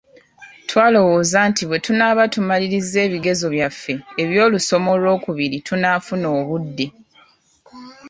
Twalowooza nti bwe tunaaba tumalirizza ebigezo byaffe eby’olusoma olwokubiri tunaafuna obudde.